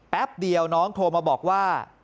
แป๊บเดียวน้องโทรมาบอกว่า